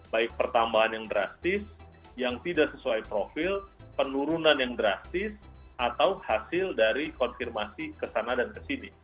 baik pertambahan yang drastis yang tidak sesuai profil penurunan yang drastis atau hasil dari konfirmasi kesana dan kesini